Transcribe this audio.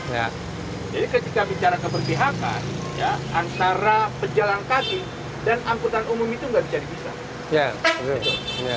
jadi ketika bicara keberpihakan antara pejalan kaki dan angkutan umum itu nggak bisa dipisah